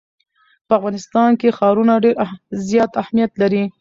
په افغانستان کې ښارونه ډېر زیات اهمیت لري.